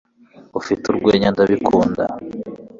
Ufite urwenya Ndabikunda